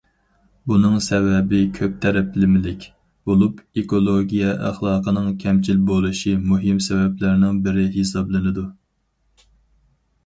بۇنىڭ سەۋەبى كۆپ تەرەپلىمىلىك بولۇپ، ئېكولوگىيە ئەخلاقىنىڭ كەمچىل بولۇشى مۇھىم سەۋەبلەرنىڭ بىرى ھېسابلىنىدۇ.